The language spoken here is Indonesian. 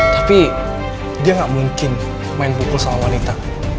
tapi dia gak mungkin main pukul sama wanita